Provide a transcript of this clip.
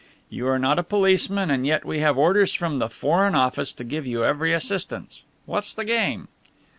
You are not a policeman and yet we have orders from the Foreign Office to give you every assistance. What's the game?"